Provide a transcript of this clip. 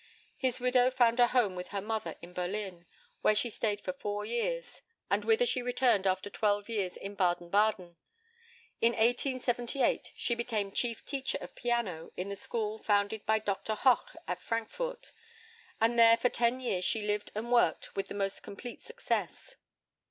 His widow found a home with her mother in Berlin, where she stayed for four years, and whither she returned after twelve years in Baden Baden. In 1878 she became chief teacher of piano in the school founded by Doctor Hoch at Frankfort, and there for ten years she lived and worked with the most complete success.